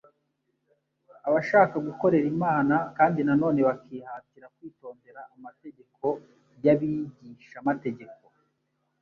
Abashakaga gukorera Imana kandi na none bakihatira kwitondera amategeko y'abigishamategeko